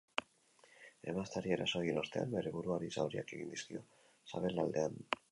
Emazteari eraso egin ostean bere buruari zauriak egin dizkio sabelaldean.